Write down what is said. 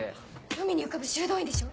海に浮かぶ修道院でしょ？